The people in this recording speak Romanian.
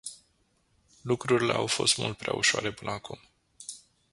Lucrurile au fost mult prea ușoare până acum.